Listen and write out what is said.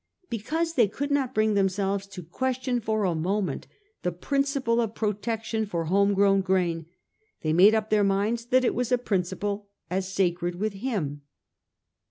Because they could not bring themselves to question for a moment the principle of protection for home grown grain, they made up their minds that it was a principle as sacred with him.